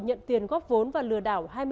nhận tiền góp vốn và lừa đảo